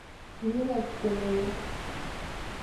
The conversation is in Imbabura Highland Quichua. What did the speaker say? Yurak kunuku